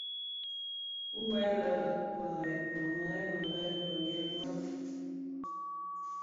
Wu lè yè murèn muren meghel me.